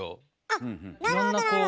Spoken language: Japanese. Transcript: あっなるほどなるほど。